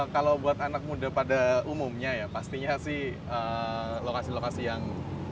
kalau buat anak muda pada umumnya ya pastinya sih lokasi lokasi yang